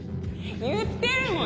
言ってるもん。